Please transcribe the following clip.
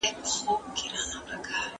ماتول هیڅ نه دي مشکل، د نفرتونو پولې.